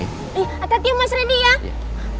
iya atas hati mas randy ya